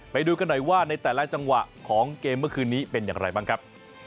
ไปดูกันหน่อยว่าในแต่ละจังหวะของเกมเมื่อคืนนี้เป็นอย่างไรบ้างครับ